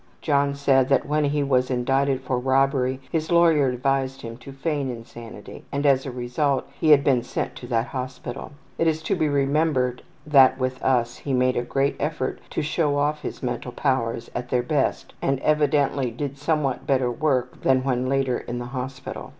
John said that when he was indicted for robbery his lawyer advised him to feign insanity and as a result he had been sent to that hospital. (It is to be remembered that with us he made great effort to show off his mental powers at their best and evidently did somewhat better work than when later in the hospital.)